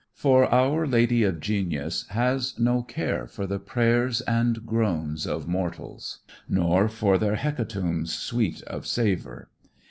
For Our Lady of Genius has no care for the prayers and groans of mortals, nor for their hecatombs sweet of savor.